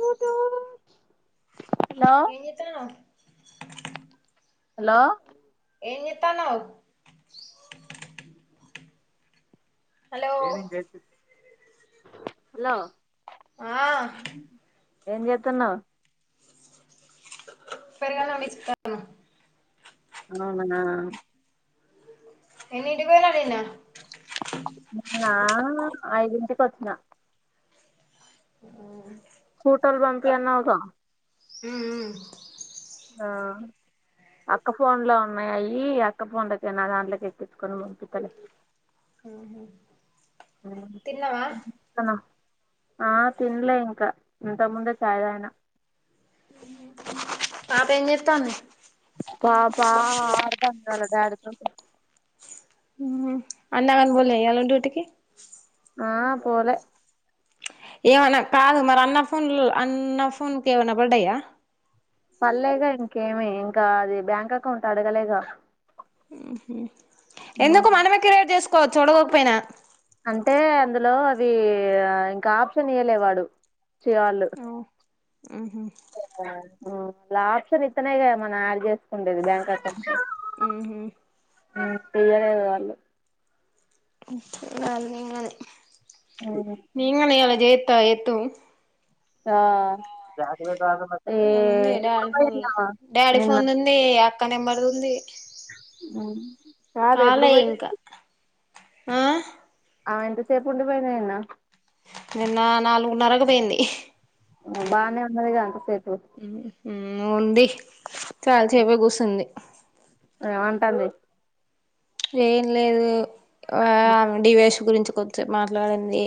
Hello hello ఏం జేత్తానవ్? Hello ఏం జేత్తానవ్? హలో ఆ ఏంజెతన్నవ్ సెల్లెళ్లను తీస్కత్తన్న అవునా. ఎన్నింటికి పోయినవ్ నిన్న నేనా ఐదింటికి వచ్చిన ఉమ్ ఫోటోలు పంపి అన్నవుగా ఉమ్ ఉమ్ ఆ అక్క ఫోన్ లో ఉన్నయయి, అక్క ఫోన్లకే నా దాంట్లకి ఎక్కించుకొని పంపిత్తలే ఉహు అ ఆ తినలే ఇంకా, ఇంత ముందే చాయ్ తాగిన. తాత ఏం చెత్తాంది. పాప ఆడుతాంది వాళ్ళ డాడీ తోటి ఉహు, అన్నాగని వోలె ఇయ్యాల డ్యూటీ కి ఆ పోలే ఏమన్నా కాదు మరన్న ఫోన్ లో అన్న ఫోన్ కి ఏమన్న పడ్డాయా? పల్లెగ ఇంకేమి ఇంకా అది బ్యాంక్ అకౌంట్ అడగలేగా. ఉహు ఎందుకు మనమే క్రియేట్ చేసుకోవచ్చు ఓడగొకపోయినా. అంటే అందులో అవి ఆ ఇంకా ఆప్షన్ ఇయ్యలే వాడు. చేయాలి ఉహు అలా ఆప్షన్ ఇత్తనే గా మన యాడ్ చేస్ ఉండేది బ్యాంక్ అకౌంట్, ఉహు ఉమ్ తీయలేదు వాళ్ళు. చేయాలి నిన్ననే, నేను కూడా ఇయ్యాల జెత్త త ఎత్తు ఆ ఏ ఏందే ఎప్పుడు డాడీ ఫోన్ పోయింది లో ఆమె చెయ్, డాడీ నిన్న ఫోన్ ఉంది, అక్క నెంబర్ది ఉంది. ఉమ్ కాదు ఎప్పుడు కాలే పోయి ఇంకా ఆ అదంతసేపు ఉండిపోయినయన్న నిన్న నాలుగున్నరకు పోయింది. బానే ఉన్నదిగా ఇంత సేపు ఉమ్ ఉంది చాలాసేపే కూసుంది. ఏమంటాంది? ఏం లేదు, ఆమె డివేష్ గురించి కొంచం మాట్లాడింది.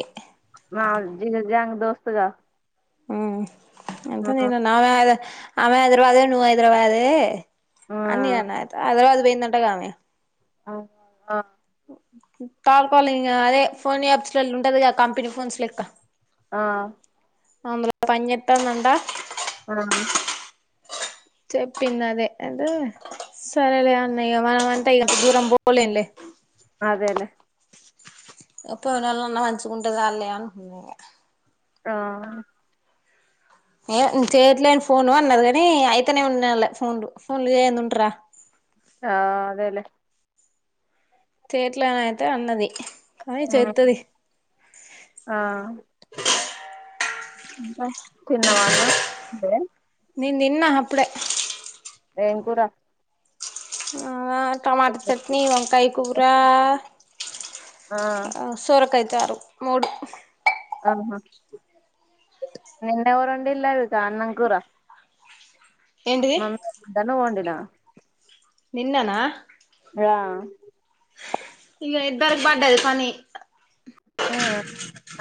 మా జిగ జారి దోస్తుగా ఉ ఆ ఐతె నేనన్న ఆమె హైద ఆమె హైదరాబాదే నువ్ హైదరాబాదే ఆ అని నే అన్న ఐతె హైదరాబాద్ పోయిందంటగా ఆమె ఆ ఆ కాల్ కాల్ ఇగ అదే ఫోన్ యాప్స్లలో ఉండదిగా కంపెనీ ఫోన్స్ లెక్క ఆ అందులో పన్జెత్తందంట ఆ చెప్పిందదే అయితే సరేలే అన్నయ్య మన ఇగ దూరం బోలెంలే అదేలే అ పోయినాళ్ళన్న మంచిగుంటే చాళ్లే అనుకున్నిగ ఆ ఏ చేయట్లేన్ ఫోను అన్నది కానీ అయితనే ఉన్నాలె ఫోన్లు ఫోన్లు చెయ్యంది ఉంటరా ఆ అదేలే చేయట్లే అనయితే అన్నది కానీ చెత్తది ఆ ఇంక తిన్నావా అన్నం నేన్ తిన్న అప్పుడే ఏం కూర ఆ టమాట చట్నీ వంకాయ్ కూరా ఆ అ సోరకాయ్ చారు మూడు ఆహా నిన్నెవరొండిల్లది దా అన్నంకూర ఏంటిది మామ్మచ్చిందని ఓండిన నిన్ననా ఆ ఇగ ఇద్దరిక్ బడ్డది పనీ ఆ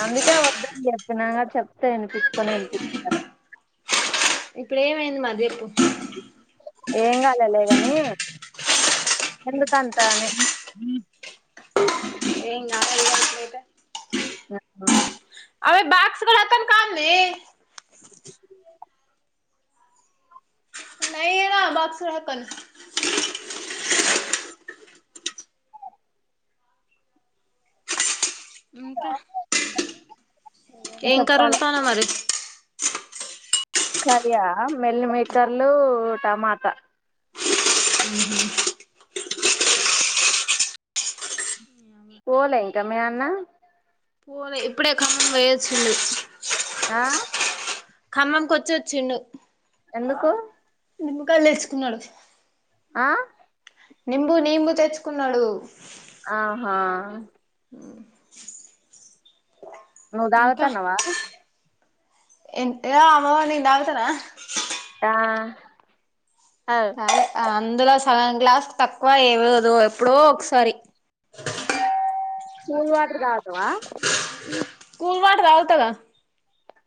అందుకే వద్దని చెప్పినాగని చెప్తే ఇనిపిచ్చుకొనే ఇనిపిచ్చుకొలే ఇప్పుడేమైంది మర్ జెప్పు ఏంగాలే లేగనీ ఎందుకంత అని ఏం గాలేదుగా ఇప్పుడైతే ఆ ఆమె బాక్స్ కుడ అతని కాందీ నయనా బాక్స్ పట్కొని ఇంక ఏం చెప్పాలి ఏంకరొండుతానవ్ మరి కరియా మెల్ మేకర్లూ టమాటా పోలే ఇంక మీయన్న లె ఇప్పుడే ఖమ్మం పోయోచ్చిండు ఆ ఖమ్మంకొచ్చోచ్చిండు ఎందుకు నిమ్మకాయల్ తెచ్చుకున్నడు ఆ నింబు నీంబు తెచ్కున్నడూ ఆహా ఆ నువ్ దాగుతన్నవా ఎం ఏ అవ్వో నేన్దాగుతనా ఆ అవ్ తాగలే అందులో సగన్ గ్లాస్ తక్కువ ఏవదు ఎప్పుడో ఒకసారి వా కూల్ వాటర్ తాగుతాగా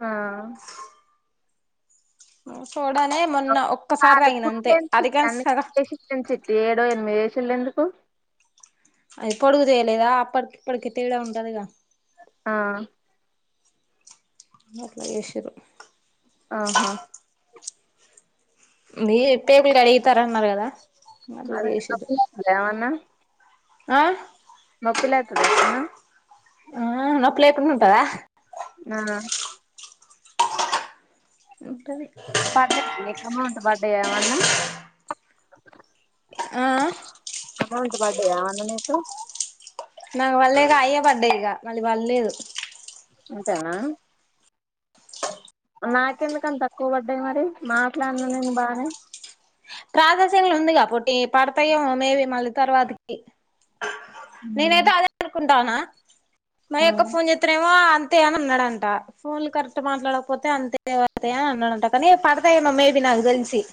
ఆ సోడానే మొన్న ఒక్కసారి కాదు తాగిన అంతే కుట్లేని అదికాని సగం దో ఎనిమిది యేషిల్ ఎందుకు అది పొడుగు జేయలేదా అప్పటికి ఇప్పటికి తేడా ఉంటదిగా ఆ గట్లజెషిరు ఆహా నీరు ఇటైపులు కడిగితరన్నరు గదా మరే కప్పు నొత్తుందా ఏవన్న ఆ నొప్పిలేత్తదా ఏమన్నా ఆ నొప్పి లేకుండా ఉంటదా ఆ ఉంటది పడ్డయా నీకు అమౌంట్ పడ్డయా ఏమన్నా ఆ అమౌంట్ బడ్డయా ఏమన్నా నీకు నాకు బళ్ళే గా అయ్యే బడ్డయ్ ఇగ మళ్ళీ బళ్లేదు అంతేనా నాకెందుకని తక్కువ పడ్డాయి మరి మాట్లాడినా నేను బానే ప్రాసెసింగ్ ల ఉందిగా పోట్టి పడతయో మేబి మళ్ళీ తర్వాతకి ఉమ్ నేనైతే అదే అనుకుంటానా మా యక్క ఫోన్ జేతనేమో అంతే అ అన్నాడంట ఫోన్లు కరెక్ట్ మాట్లాడకపోతే అంతే అ అన్నాడంట కానీ పడతే మమే నాక్ దెల్సి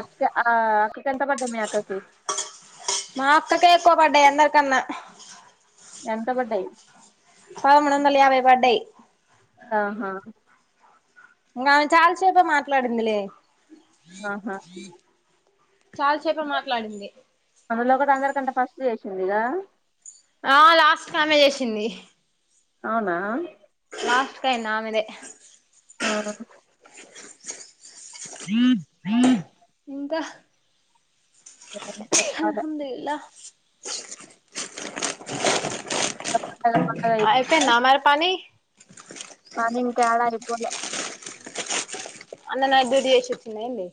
అక్క ఆ అక్కకి ఎంత పడ్డాయి మీ అక్కకి మా అక్క కేే ఎక్కువ పడ్డయ్ అందరికన్నా ఎంత పడ్డయ్ పదమూడొందల యాభై పడ్డయ్ ఆహా ఇంగ ఆమె చాలాసేపే మాట్లాడిందిలే ఆహా చాలాసేపే మాట్లాడింది అందులో ఒకటి అందరికంటే ఫస్ట్ చేసిందిగా ఆ లాస్ట్ కామె జేసింది అవునా లాస్ట్ కయ్యింది ఆమెదే ఆ హ [inaudible] ఇంకా అ [unintelligible] చెప్పాలే అల్హమ్దుల్లా పండగ పండగ [inaudible] అయిపోయిందా మరి పని కానీ ఇంకేడా అయిపోలే అన్న నైట్ డ్యూటి జేసి వచ్చిండా ఏంది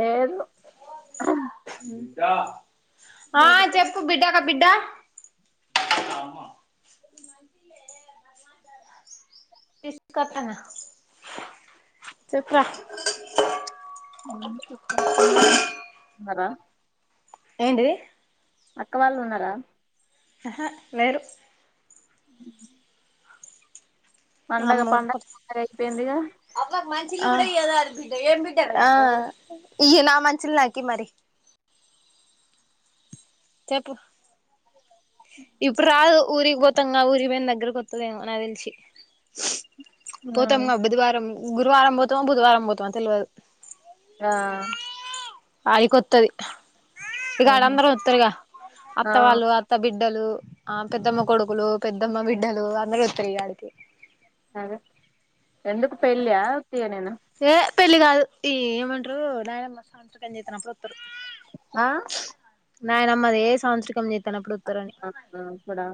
లేదు బిడ్డా ఆ చెప్పు బిడ్డ ఒక బిడ్డా తీసుకత్తనా చప్పరా ఉన్నరా ఉన్నార ఏంటిీది అక్క వాళ్ళు ఉన్నార యహా లేేరు పండగ వామ్మో పండగ [unintelligible] పండగ అయిపోయిందిగా అ ఆ నా మనుషల్కకి మరి చెప్పు ఇప్పుడు రాదు ఊరికి బోతంగా ఊరికిపోయిన దగ్గరకొత్తదేమో నాక్ దెలిసి ఉమ్. పోతంగా బుధవారం గురువారం పోతమో బుధవారం పోతామా తెల్వదు ఆ అయికొత్తది ఆహా ఇకడందరూ వత్తరుగా ఆ అత్త వాళ్ళు అత్త బిడ్డలు ఆ పెద్దమ్మ కొడుకులు పెద్దమ్మ బిడ్డలు అందరుూ వస్తారు ఇగ ఆడికి అదే ఎందుకు పెళ్ళ్యా ఉత్తిగా నే నా ఏ పెళ్ళి కాదు ఈ ఏమంటారు నాయనమ్మ సంవత్సరం చేస్తారు. అప్పుడు వస్తారు ఆ నాయనమ్మదే సంవత్సరం జేస్ అవున అప్పుడా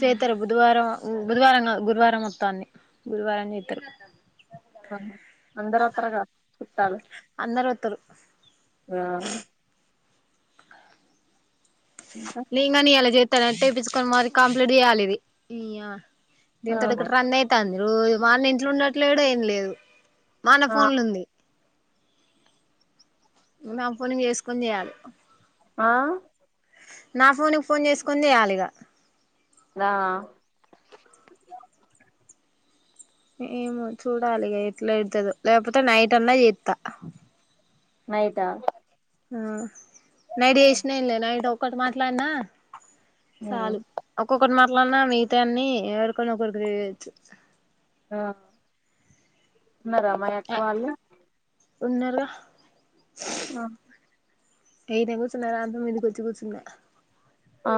చేత్తరు బుధవారం బుధవారం కాద్ గురువారం మొత్తాన్ది గురువారం చేతారు ఆ అందరు వత్తరుగా చుట్టాలు అందరొత్తరు ఆ ఇంకా కానీ అలా చేస్తా నట్టే [inaudible] యిించుకొని మరి కంప్లీట్ చేయ్యాలి ఇది ఆ దీని తోటి ఇక్కడ రందయితాంది రోజు మన ఇంట్లో ఉండట్లేడు ఏం లేదు వాన ఆ ఫోన్లుంది నా ఫోన్ చేసుకొని చేయాలి ఆ నా ఫోన్కి ఫోన్ చేసుకొని చేయాలిగా దా ఏమో చూడాలిగ ఎట్లా ఎయిత దొ లేకపోతే నైట్ అన్నా చేస్తా నైటా ఆ నైడి చేసినాలే నైట్ ఒక్కటి మాట్లాడిన ఉమ్, చాలు ఒక్కొక్కటి మాట్ అట్లన్న మిగితా అన్నీ ఎవరికన్నా ఒకరు ఇయచ్చు ఆ ఉన్నర మరి అక్క వాళ్ళ ఉన్నార్గా అ [inaudible] మీదికి వచ్చి కూర్చున్నా ఆ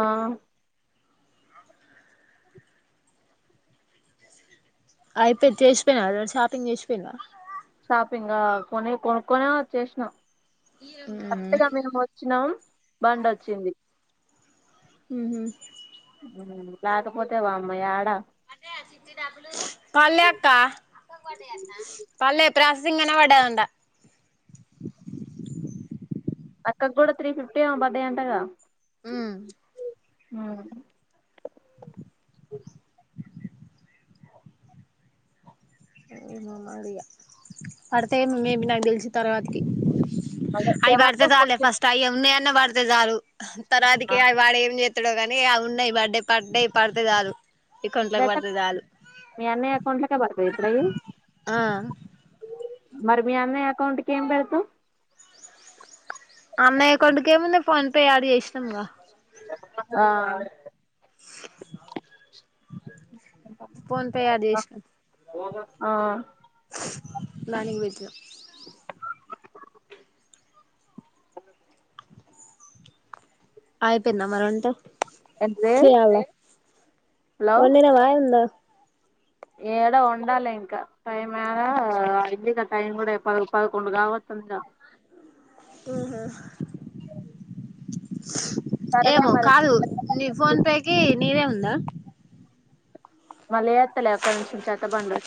అయితె చేసిపోయినా షాపింగ్ చేసిపోయినావ షాపింగ్ గా కొని కొనుక్కొని వచ్చేసినాం కరెక్ట్గా మేము వచ్చినాం బండి వచ్చింది ఉహు లేకపోతే వామ్మో యాడ కాల్లే అత్త పల్లె ప్రాససింగ్ పడంట అక్కక్ గూడా త్రీ ఫిఫ్టీ ఏమో పడ్డాయి. అంటగా ఉ ఆ ఆ అది పడితే మేబీ నాకు తెలిసి తర్వాతది అదే అయి పడితే సెవెంత్ చాలే ఫోర్టీన్ ఫస్ట్ అయి ఉన్నవన్నీ పడ్ పడితే చాలు తర్వతికి అవి వాడ్ ఏం చేస్తాడో కానీ అవి ఉన్నాయి బర్డే పడితే చాలు. అకౌంట్లోకి పడితే చాలు మీ అన్నయ్య అకౌంట్ లోకే పడతాయ్ ఆ మరి మీ అన్న అకౌంట్ కి ఎమ్ పెడతవ్ అన్నయ్య అకౌంట్ కి ఏముంది ఫోన్ పే యాడ్ చేసినాంగా. ఆ ఫోన్పే యాడ్ చేస రోజంతా నానింగ్ విజ్ అయిపోయింద మరి వంట ఏంటిది చేయాల వండవా ఎంద ఏదో వండాలే ఇంకా టైం మా అయింది ఇక టైం కూడా పద్ పదకొండు కావతంది ఇగా. ఉ హ సరేలే ఏమో కాదు నీ మరి ఫోన్ పేకి నీదే ఉందా మళ్ళీ ఎత్తలే అక్కడి నుంచి చెత్త బండ్లు